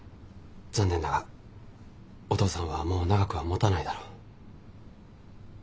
残念だがお父さんはもう長くはもたないだろう。